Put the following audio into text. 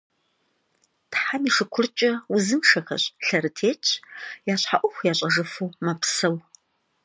Тхьэм и шыкуркӀэ, узыншэхэщ, лъэрытетщ, я щхьэ Ӏуэху ящӀэжыфу мэпсэу.